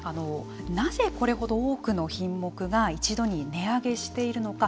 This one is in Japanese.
なぜ、これほど多くの品目が一度に値上げしているのか。